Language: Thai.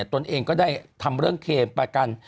ตนเองก็ได้ทำเรื่องเคมประกัน